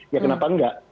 ya kenapa enggak